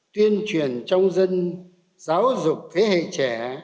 tuyên truyền trong dân giáo dục thế hệ trẻ